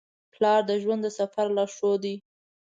پلار د ژوند د سفر لارښود دی.